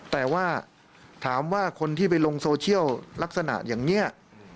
แต่ว่าถามว่าคนที่ไปลงโซเชียลลักษณะอย่างนี้